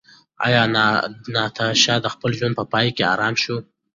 ایا ناتاشا د خپل ژوند په پای کې ارامه شوه؟